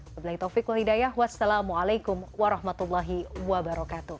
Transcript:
sebelah itu fikrul hidayah wassalamualaikum warahmatullahi wabarakatuh